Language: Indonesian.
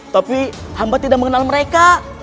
tapi hamba tidak mengenal mereka